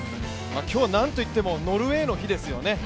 今日はなんといってもノルウェーの日ですよね。